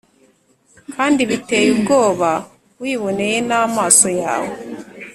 kandi biteye ubwoba wiboneye n’amaso yawe.